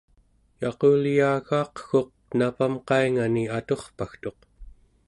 yaquleyagaq-gguq napam qaingani aturpagtuq